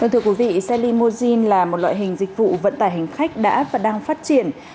thưa quý vị xe limousine là một loại hình dịch vụ vận tải hành khách đã và đang phát triển